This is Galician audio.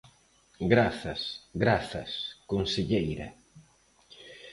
Grazas, grazas, conselleira.